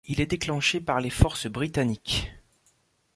Il est déclenché par les forces britanniques.